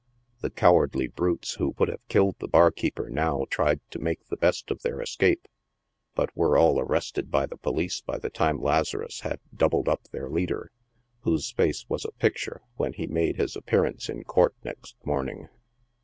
The cowardly brutes who would have killed the barkeeper now tried to make the best of their escape, but were all arrested by the police by the time Lazarus had '' doubled up" their leader, whose face was a picture when he made his appearance in court, next morning.